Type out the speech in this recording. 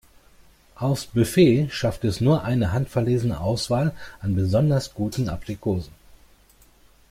Aufs Buffet schafft es nur eine handverlesene Auswahl an besonders guten Aprikosen.